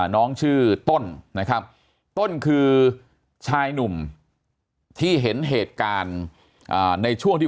น้องชื่อต้นนะครับต้นคือชายหนุ่มที่เห็นเหตุการณ์ในช่วงที่